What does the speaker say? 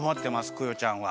クヨちゃんは。